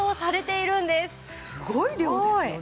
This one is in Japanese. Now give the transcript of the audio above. すごい量ですよね。